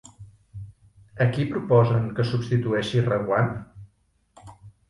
A qui proposen que substitueixi Reguant?